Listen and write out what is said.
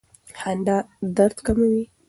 خندا درد کموي.